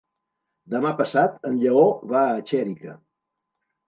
Demà passat en Lleó va a Xèrica.